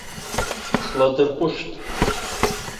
Сладырҟәышт.